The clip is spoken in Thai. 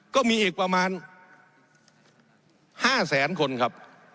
ก็มีอีกประมาณ๕แสนคนครับ